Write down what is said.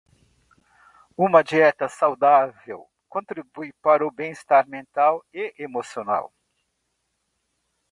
Uma dieta saudável contribui para o bem-estar mental e emocional.